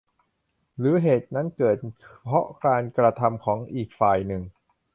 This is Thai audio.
หรือเหตุนั้นเกิดเพราะการกระทำของอีกฝ่ายหนึ่ง